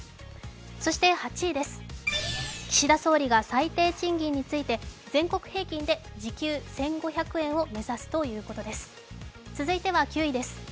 そして８位です、岸田総理が最低賃金について全国平均で時給１５００円を目指すということです。